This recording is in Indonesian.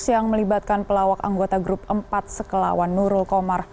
yang melibatkan pelawak anggota grup empat sekelawan nurul komar